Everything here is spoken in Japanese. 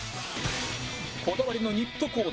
こだわりのニットコーデ